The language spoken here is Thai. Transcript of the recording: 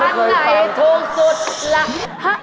ห้ามไหนถูกสุดล่ะ